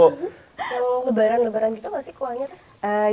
kalau lebaran lebaran gitu enggak sih kuahnya teh